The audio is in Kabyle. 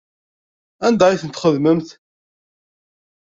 Anda ay tent-txaḍemt?